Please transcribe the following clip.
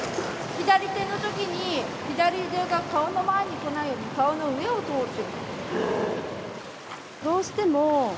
左手のときに左腕が顔の前にこないように顔の上を通って。